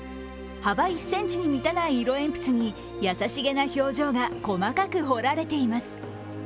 幅１ｃｍに満たない色鉛筆に優しげな表情が細かく彫られています。